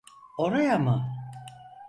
Oraya mı?